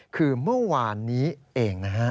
คือเมื่อวานนี้เองนะฮะ